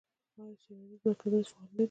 آیا څیړنیز مرکزونه فعال نه دي؟